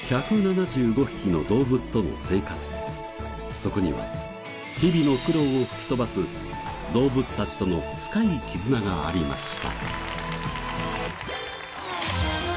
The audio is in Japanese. そこには日々の苦労を吹き飛ばす動物たちとの深い絆がありました。